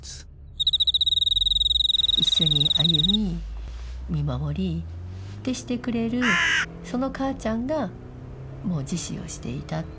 一緒に歩み見守りってしてくれるその母ちゃんがもう自死をしていた。